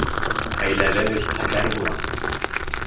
Хәйләле эш хәтәр була.